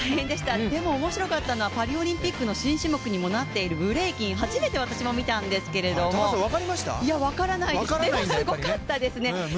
でも、面白かったのはパリオリンピックの新種目にもなっているブレイキン、初めて私も見たんですけれども分からないです、でもすごかったですね。